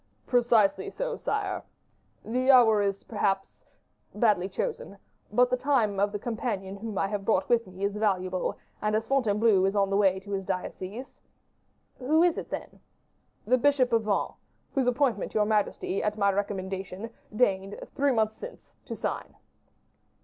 "Precisely so, sire. The hour is, perhaps, badly chosen; but the time of the companion whom I have brought with me is valuable, and as Fontainebleau is on the way to his diocese " "Who is it, then?" "The bishop of Vannes, whose appointment your majesty, at my recommendation, deigned, three months since, to sign."